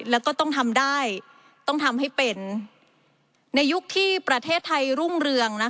แล้วก็ต้องทำได้ต้องทำให้เป็นในยุคที่ประเทศไทยรุ่งเรือง